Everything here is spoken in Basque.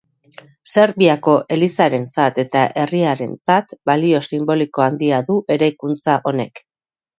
Serbiako elizarentzat eta herriarentzat balio sinboliko handia du eraikuntza honek.